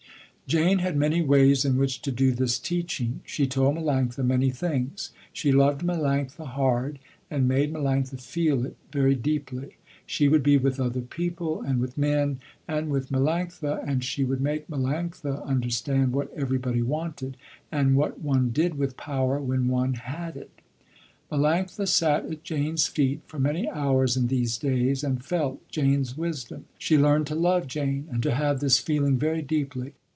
Jane had many ways in which to do this teaching. She told Melanctha many things. She loved Melanctha hard and made Melanctha feel it very deeply. She would be with other people and with men and with Melanctha, and she would make Melanctha understand what everybody wanted, and what one did with power when one had it. Melanctha sat at Jane's feet for many hours in these days and felt Jane's wisdom. She learned to love Jane and to have this feeling very deeply.